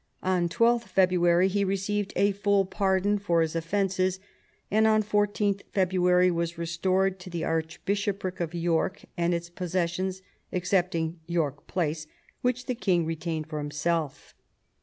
On 12th February he received a full A^ pardon for his offences, and on 14th February was ^ restored to the archbishopric of York and its possessions excepting York Place, which the king retained for him self.